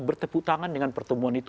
bertepuk tangan dengan pertemuan itu